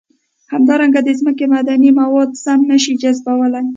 همدارنګه د ځمکې معدني مواد سم نه شي جذبولی.